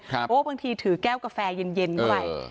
เพราะว่าบางทีถือแก้วกาแฟเย็นเข้าไป